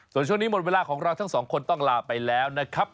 ส่วนช่วงนี้หมดเวลาของเราทั้งสองคนต้องลาไปแล้วนะครับ